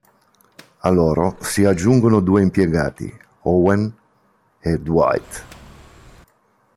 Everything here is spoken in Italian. A loro si aggiungono due impiegati, Owen e Dwight.